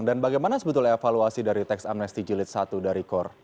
dan bagaimana sebetulnya evaluasi dari tax amnesty jilid satu dari kor